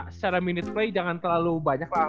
secara minute play jangan terlalu banyak